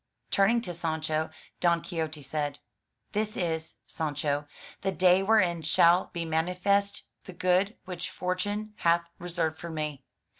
Turning to Sancho, Don Quixote said, "This is, Sancho, the day wherein shall be manifest the good which fortune hath reserved for me.